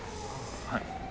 はい。